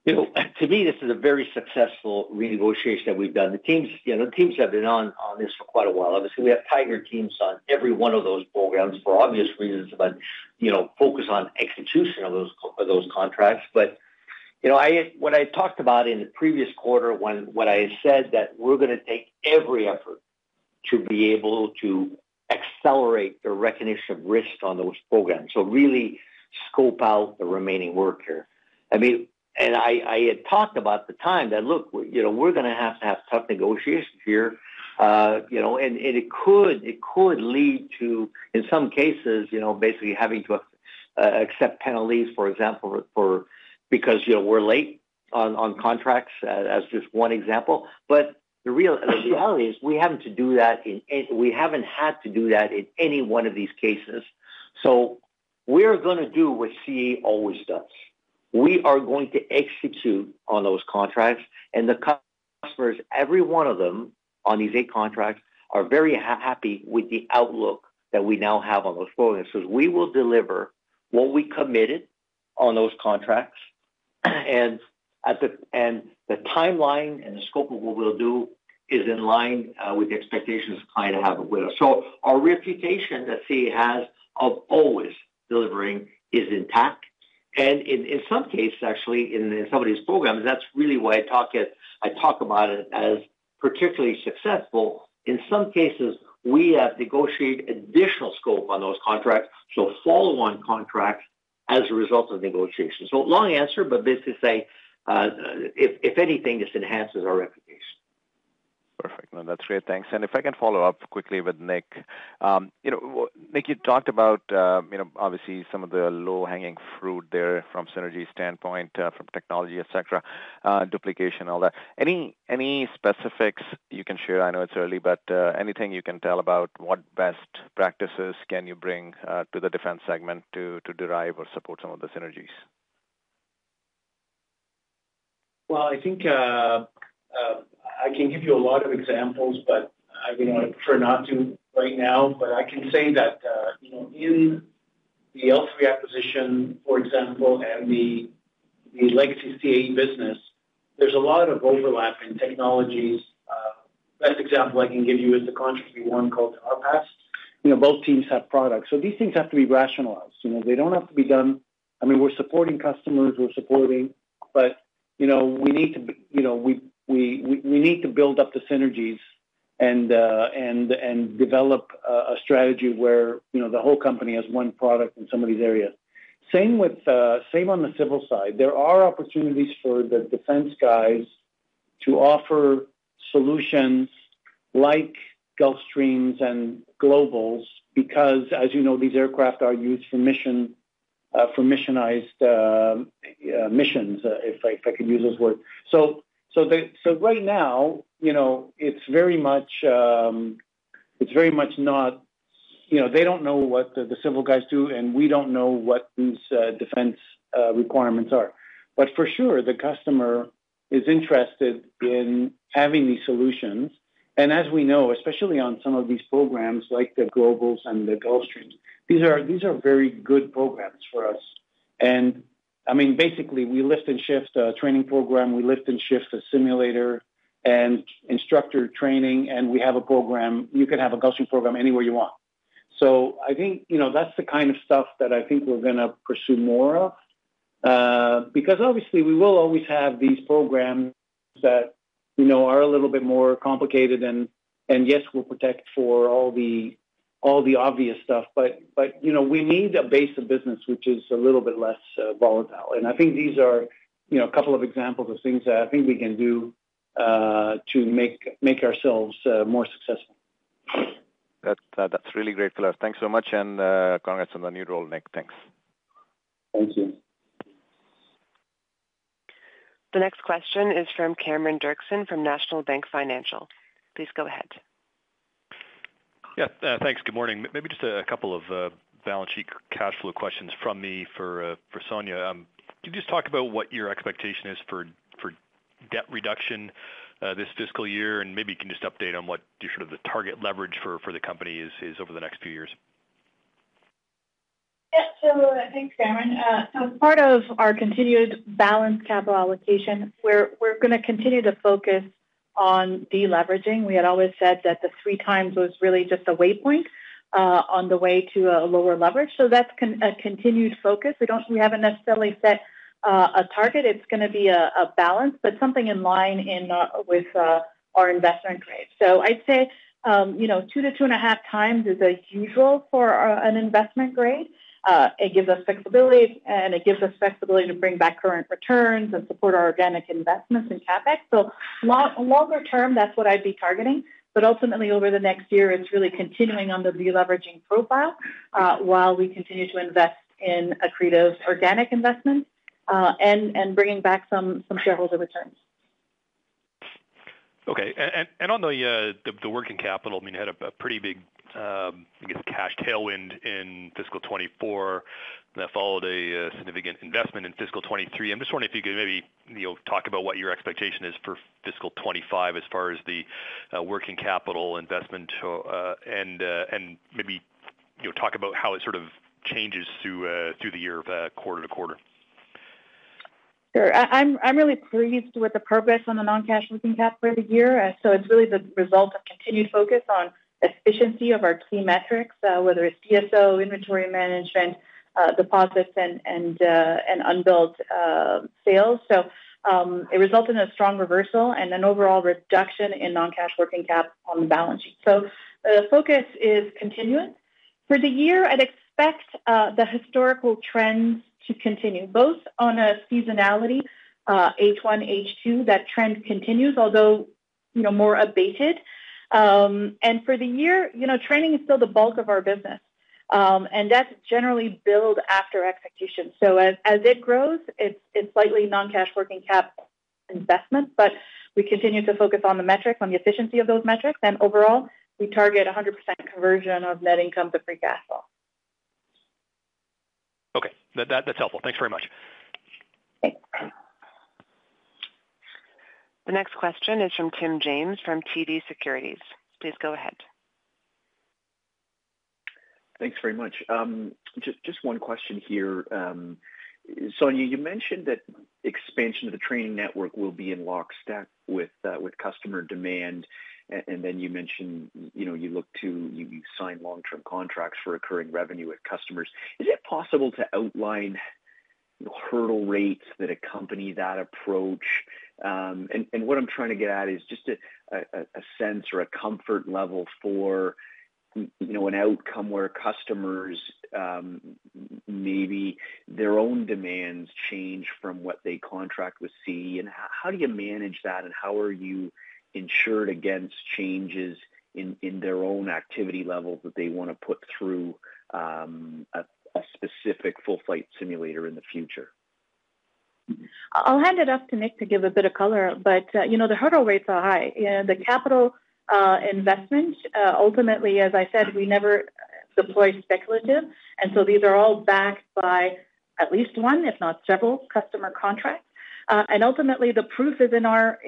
you know, to me, this is a very successful renegotiation that we've done. The teams, you know, the teams have been on, on this for quite a while. Obviously, we have tighter teams on every one of those programs for obvious reasons, but, you know, focus on execution of those, of those contracts. But, you know, what I talked about in the previous quarter when what I said that we're gonna take every effort to be able to accelerate the recognition of risk on those programs, so really scope out the remaining work here. I mean... And I had talked about the time that, look, you know, we're gonna have to have tough negotiations here, you know, and it could lead to, in some cases, you know, basically having to accept penalties, for example, because, you know, we're late on contracts, as just one example. But the reality is, we haven't had to do that in any one of these cases. So we're gonna do what CAE always does. We are going to execute on those contracts, and the customers, every one of them, on these eight contracts, are very happy with the outlook that we now have on those programs. So we will deliver what we committed on those contracts, and the timeline and the scope of what we'll do is in line with the expectations the client have with us. So our reputation that CAE has of always delivering is intact, and in some cases, actually, in some of these programs, that's really why I talk about it as particularly successful. In some cases, we have negotiated additional scope on those contracts, so follow-on contracts as a result of negotiations. So long answer, but basically say, if anything, this enhances our reputation. Perfect. No, that's great. Thanks. And if I can follow up quickly with Nick. You know, Nick, you talked about, you know, obviously some of the low-hanging fruit there from synergy standpoint, from technology, et cetera, duplication, all that. Any specifics you can share? I know it's early, but, anything you can tell about what best practices can you bring, to the defense segment to derive or support some of the synergies? ...Well, I think, I can give you a lot of examples, but I, you know, prefer not to right now. But I can say that, you know, in the L3 acquisition, for example, and the legacy CAE business, there's a lot of overlap in technologies. Best example I can give you is the contribution one called RPAS. You know, both teams have products, so these things have to be rationalized, you know? They don't have to be done. I mean, we're supporting customers, we're supporting, but, you know, we need to be, you know, we need to build up the synergies and, and develop a strategy where, you know, the whole company has one product in some of these areas. Same with, same on the civil side. There are opportunities for the defense guys to offer solutions like Gulfstreams and Globals, because, as you know, these aircraft are used for mission, for missionized, missions, if I could use this word. So, so they—so right now, you know, it's very much, it's very much not... You know, they don't know what the, the civil guys do, and we don't know what these, defense, requirements are. But for sure, the customer is interested in having these solutions. And as we know, especially on some of these programs, like the Globals and the Gulfstreams, these are, these are very good programs for us. And, I mean, basically, we lift and shift a training program, we lift and shift a simulator and instructor training, and we have a program. You can have a Gulfstream program anywhere you want. So I think, you know, that's the kind of stuff that I think we're gonna pursue more of. Because obviously we will always have these programs that, you know, are a little bit more complicated. And yes, we'll protect for all the obvious stuff, but you know, we need a base of business which is a little bit less volatile. And I think these are, you know, a couple of examples of things that I think we can do to make ourselves more successful. That's, that's really great, color. Thanks so much, and, congrats on the new role, Nick. Thanks. Thank you. The next question is from Cameron Doerksen from National Bank Financial. Please go ahead. Yeah, thanks. Good morning. Maybe just a couple of balance sheet cash flow questions from me for Sonya. Can you just talk about what your expectation is for debt reduction this fiscal year? And maybe you can just update on what sort of the target leverage for the company is over the next few years? Yeah. So thanks, Cameron. As part of our continued balanced capital allocation, we're gonna continue to focus on deleveraging. We had always said that the 3x was really just a waypoint on the way to a lower leverage, so that's a continued focus. We haven't necessarily set a target. It's gonna be a balance, but something in line with our investment grade. So I'd say, you know, 2x-2.5x is usual for an investment grade. It gives us flexibility, and it gives us flexibility to bring back current returns and support our organic investments in CapEx. So longer term, that's what I'd be targeting, but ultimately over the next year, it's really continuing on the deleveraging profile, while we continue to invest in accretive organic investments, and bringing back some shareholder returns. Okay. And on the working capital, I mean, you had a pretty big, I guess, cash tailwind in fiscal 2024 that followed a significant investment in fiscal 2023. I'm just wondering if you could maybe, you know, talk about what your expectation is for fiscal 2025 as far as the working capital investment, and maybe, you know, talk about how it sort of changes through the year, quarter to quarter. Sure. I'm really pleased with the progress on the non-cash working capital for the year. So it's really the result of continued focus on efficiency of our key metrics, whether it's DSO, inventory management, deposits, and unbilled sales. So it resulted in a strong reversal and an overall reduction in non-cash working capital on the balance sheet. So the focus is continuing. For the year, I'd expect the historical trends to continue, both on a seasonality, H1, H2, that trend continues, although, you know, more abated. And for the year, you know, training is still the bulk of our business, and that's generally billed after execution. So as it grows, it's slightly non-cash working cap investment, but we continue to focus on the metrics, on the efficiency of those metrics, and overall, we target 100% conversion of net income to free cash flow. Okay. That's helpful. Thanks very much. Thanks. The next question is from Tim James, from TD Securities. Please go ahead. Thanks very much. Just one question here. Sonya, you mentioned that expansion of the training network will be in lockstep with customer demand. And then you mentioned, you know, you look to you sign long-term contracts for recurring revenue with customers. Is it possible to outline the hurdle rates that accompany that approach? And what I'm trying to get at is just a sense or a comfort level for, you know, an outcome where customers maybe their own demands change from what they contract with CAE, and how do you manage that, and how are you insured against changes in their own activity levels that they wanna put through a specific full flight simulator in the future? I'll hand it off to Nick to give a bit of color, but, you know, the hurdle rates are high, and the capital investment, ultimately, as I said, we never deployed speculative, and so these are all backed by at least one, if not several, customer contracts. And ultimately, the proof is in our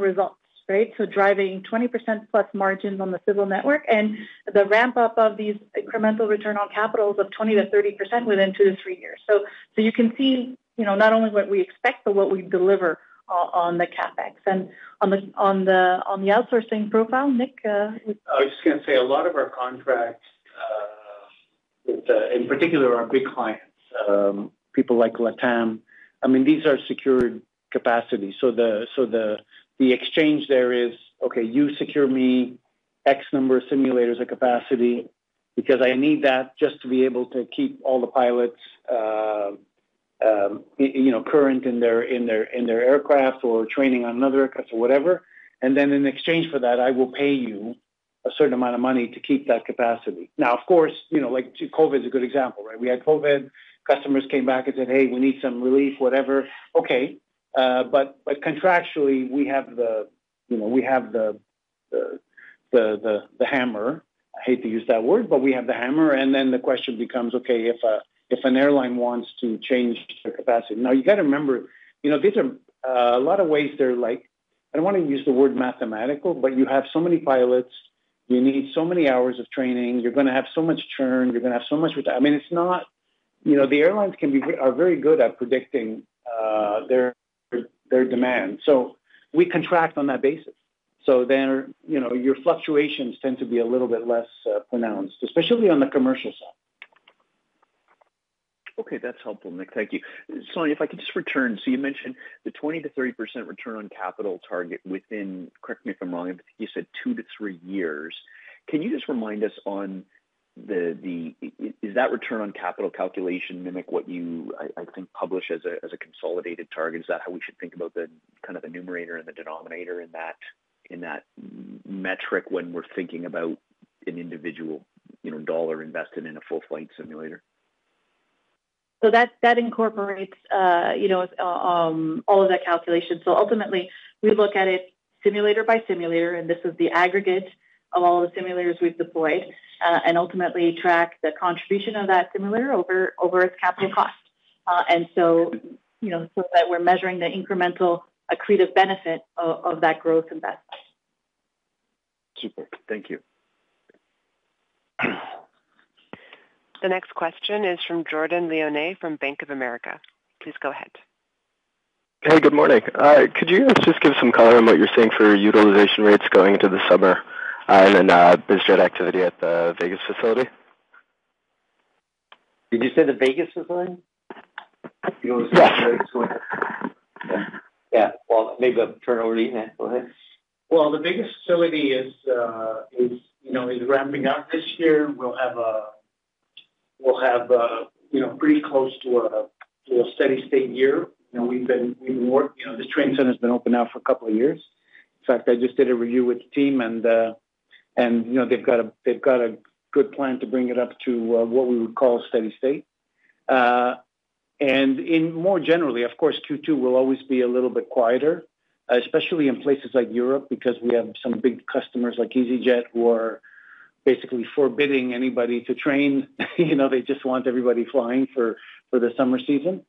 results, right? So driving 20%+ margins on the civil network and the ramp-up of these incremental return on capitals of 20%-30% within 2-3 years. So you can see, you know, not only what we expect, but what we deliver on the CapEx. And on the outsourcing profile, Nick- I was just going to say a lot of our contracts, with, in particular, our big clients, people like LATAM, I mean, these are secured capacity. So the exchange there is: okay, you secure me X number of simulators at capacity because I need that just to be able to keep all the pilots, you know, current in their aircraft or training on another aircraft or whatever. And then in exchange for that, I will pay you a certain amount of money to keep that capacity. Now, of course, you know, like COVID is a good example, right? We had COVID, customers came back and said: "Hey, we need some relief," whatever. Okay, but contractually, we have the, you know, we have the hammer. I hate to use that word, but we have the hammer, and then the question becomes, okay, if an airline wants to change their capacity... Now, you got to remember, you know, these are a lot of ways they're like, I don't want to use the word mathematical, but you have so many pilots, you need so many hours of training, you're going to have so much churn, you're going to have so much ret- I mean, it's not... You know, the airlines can be very-- are very good at predicting their demand, so we contract on that basis. So then, you know, your fluctuations tend to be a little bit less pronounced, especially on the commercial side. Okay, that's helpful, Nick. Thank you. Sonya, if I could just return. So you mentioned the 20%-30% return on capital target within, correct me if I'm wrong, I think you said 2-3 years. Can you just remind us on the is that return on capital calculation mimic what you I think publish as a consolidated target? Is that how we should think about the kind of the numerator and the denominator in that in that metric when we're thinking about an individual, you know, dollar invested in a full flight simulator? That incorporates, you know, all of that calculation. So ultimately, we look at it simulator by simulator, and this is the aggregate of all the simulators we've deployed, and ultimately track the contribution of that simulator over its capital cost. And so, you know, so that we're measuring the incremental accretive benefit of that growth investment. Thank you. The next question is from Jordan Lyonnais from Bank of America. Please go ahead. Hey, good morning. Could you just give some color on what you're seeing for utilization rates going into the summer, and then, business jet activity at the Vegas facility? Did you say the Vegas facility? Yeah. Yeah. Well, maybe I'll turn it over to you, go ahead. Well, the Vegas facility is, you know, is ramping up this year. We'll have, you know, pretty close to a, to a steady state year, and we've been, we've worked. You know, this training center has been open now for a couple of years. In fact, I just did a review with the team, and, you know, they've got a, they've got a good plan to bring it up to, what we would call a steady state. And, more generally, of course, Q2 will always be a little bit quieter, especially in places like Europe, because we have some big customers like easyJet, who are basically forbidding anybody to train. You know, they just want everybody flying for, for the summer season.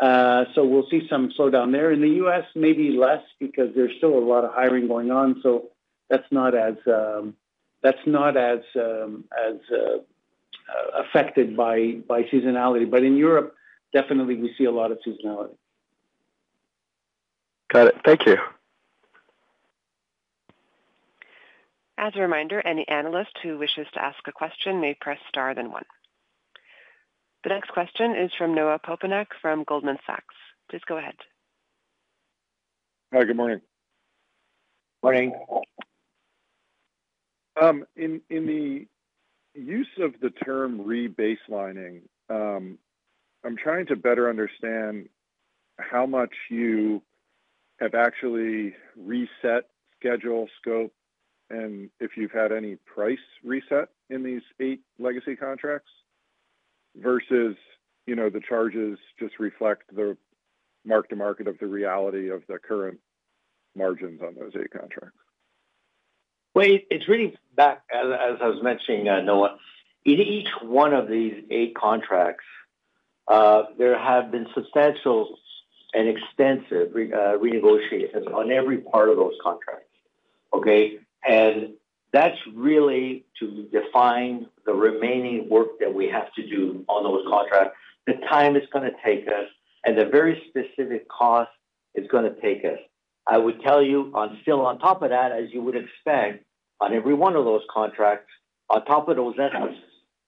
So we'll see some slowdown there. In the U.S., maybe less, because there's still a lot of hiring going on, so that's not as affected by seasonality. But in Europe, definitely we see a lot of seasonality. Got it. Thank you. As a reminder, any analyst who wishes to ask a question may press star then one. The next question is from Noah Poponak from Goldman Sachs. Please go ahead. Hi, good morning. Morning. In the use of the term rebaselining, I'm trying to better understand how much you have actually reset schedule, scope, and if you've had any price reset in these eight legacy contracts versus, you know, the charges just reflect the mark to market of the reality of the current margins on those eight contracts. Well, it's really back, as I was mentioning, Noah, in each one of these 8 contracts, there have been substantial and extensive renegotiations on every part of those contracts, okay? And that's really to define the remaining work that we have to do on those contracts, the time it's going to take us, and the very specific cost it's going to take us. I would tell you, still on top of that, as you would expect, on every one of those contracts, on top of those efforts,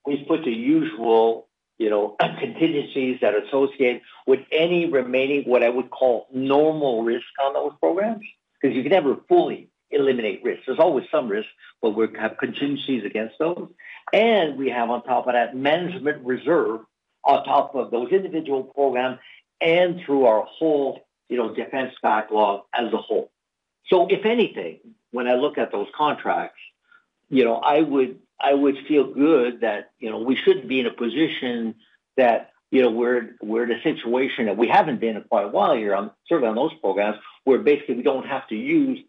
we've put the usual, you know, contingencies that are associated with any remaining, what I would call, normal risk on those programs, because you can never fully eliminate risk. There's always some risk, but we have contingencies against those. And we have on top of that, management reserve on top of those individual programs and through our whole, you know, defense backlog as a whole. So if anything, when I look at those contracts, you know, I would, I would feel good that, you know, we should be in a position that, you know, we're, we're in a situation that we haven't been in quite a while here on, certainly on those programs, where basically we don't have to use-...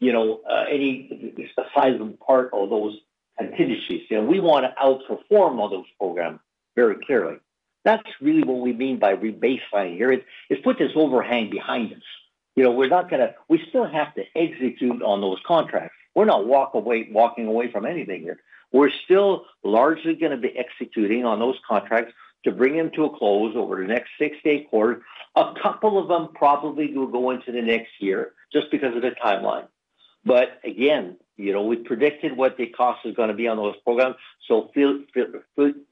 you know, the size and part of those contingencies. You know, we want to outperform all those programs very clearly. That's really what we mean by rebaselining here, is put this overhang behind us. You know, we're not gonna-- we still have to execute on those contracts. We're not walk away, walking away from anything here. We're still largely gonna be executing on those contracts to bring them to a close over the next 6-8 quarters. A couple of them probably will go into the next year just because of the timeline. But again, you know, we've predicted what the cost is gonna be on those programs, so feel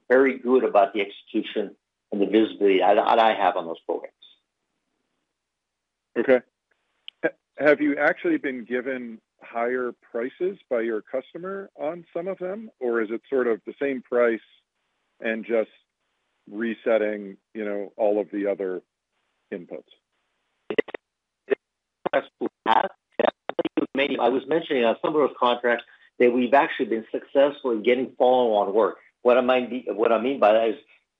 very good about the execution and the visibility I have on those programs. Okay. Have you actually been given higher prices by your customer on some of them, or is it sort of the same price and just resetting, you know, all of the other inputs? Yes, we have. I was mentioning on some of those contracts that we've actually been successful in getting follow-on work. What I mean by that is,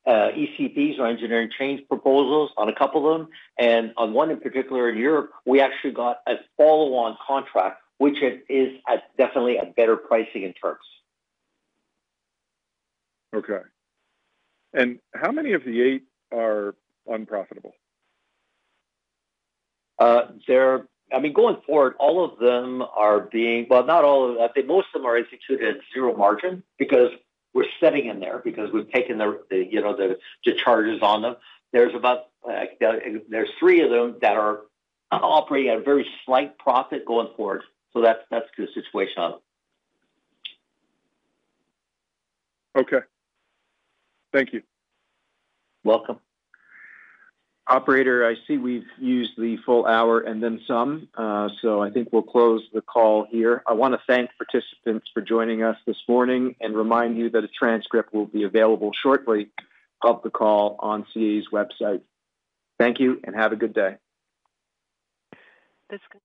ECPs or engineering change proposals on a couple of them, and on one in particular in Europe, we actually got a follow-on contract, which it is at definitely a better pricing in terms. Okay. How many of the eight are unprofitable? They're... I mean, going forward, all of them are being—well, not all of them. I think most of them are executed at zero margin because we're sitting in there, because we've taken the, you know, the charges on them. There's about three of them that are operating at a very slight profit going forward. So that's the situation on them. Okay. Thank you. Welcome. Operator, I see we've used the full hour and then some, so I think we'll close the call here. I wanna thank participants for joining us this morning and remind you that a transcript will be available shortly of the call on CAE's website. Thank you, and have a good day. This con-